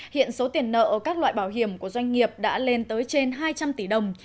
hiện số tiền nợ các loại bảo hiểm của doanh nghiệp đã lên tới trên hai trăm linh tỷ đồng